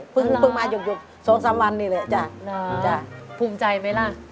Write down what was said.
ภูมิใจไหมล่ะ